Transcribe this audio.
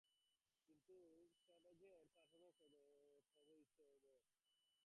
কিন্তু তেভেজের পারফরম্যান্স তথৈবচ।